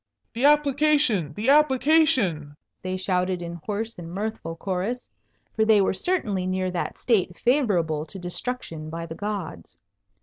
"The application! the application!" they shouted in hoarse and mirthful chorus, for they were certainly near that state favourable to destruction by the gods.